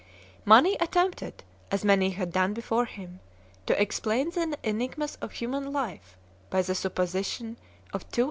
Mani attempted, as many had done before him, to explain the enigmas of human life by the supposition of two